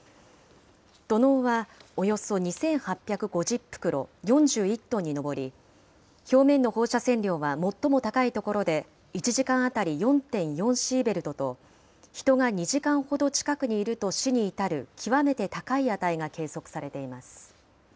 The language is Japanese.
土のうはおよそ２８５０袋、４１トンに上り、表面の放射線量は最も高い所で１時間当たり４．４シーベルトと、人が２時間ほど近くにいると死に至る極めて高い値が計測されています。